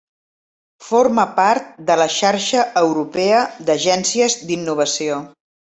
Forma part de la Xarxa Europea d'Agències d'Innovació.